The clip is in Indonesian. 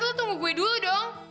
lu tunggu gue dulu dong